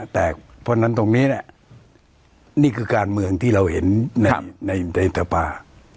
เพราะฉะนั้นตรงนี้เนี่ยนี่คือการเมืองที่เราเห็นในสภา